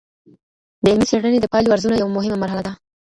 د علمي څېړنې د پایلو ارزونه یوه مهمه مرحله ده.